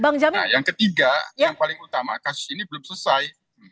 nah yang ketiga yang paling utama kasus ini belum selesai